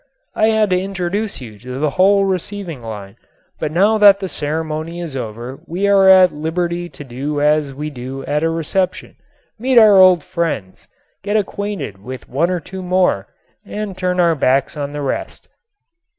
I had to introduce you to the whole receiving line, but now that that ceremony is over we are at liberty to do as we do at a reception, meet our old friends, get acquainted with one or two more and turn our backs on the rest.